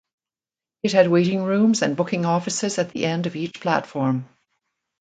It had waiting rooms and booking offices at the end of each platform.